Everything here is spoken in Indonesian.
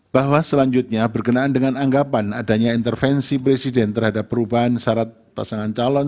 bahwa selanjutnya berkenaan dengan anggapan adanya intervensi presiden terhadap perubahan syarat pasangan calon